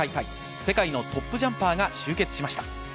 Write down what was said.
世界のトップジャンパーが集結しました。